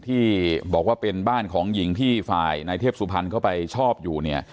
ที่บอกว่าเป็นบ้านของหญิงที่ฝ่ายนายเทพสุพรรณเข้าไปชอบอยู่เนี่ย